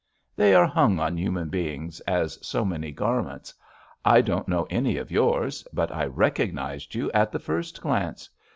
— they are hung on human beings as so many garments. I don't know any of yours, but I recognized you at the first glance.